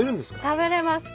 食べれます。